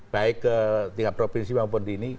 baik ke tingkat provinsi maupun di ini